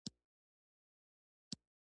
سوالګر ته نرمي او مهرباني پکار ده